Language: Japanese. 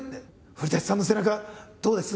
「古さんの背中どうです？